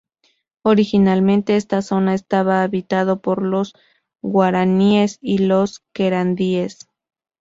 Originalmente esta zona estaba habitado por los Guaraníes y los Querandíes.